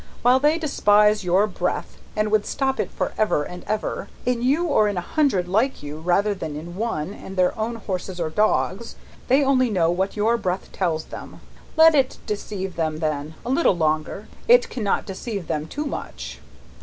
While they despise your breath, and would stop it for ever and ever, in you or in a hundred like you rather than in one of their own horses or dogs, they only know what your breath tells them. Let it deceive them, then, a little longer; it cannot deceive them too much."